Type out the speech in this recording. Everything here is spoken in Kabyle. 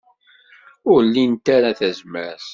Ur lint ara tazmert.